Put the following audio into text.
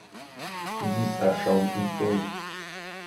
These are shown in full.